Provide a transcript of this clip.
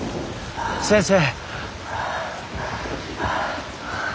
先生。